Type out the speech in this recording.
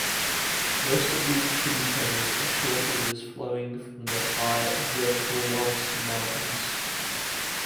Most of these tributaries are short rivers flowing from the high Verkhoyansk Mountains.